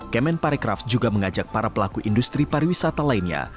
kemen parekraf juga mengajak para pelaku industri pariwisata lainnya